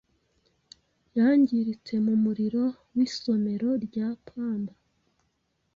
Yangiritse mu muriro wisomero rya Pamba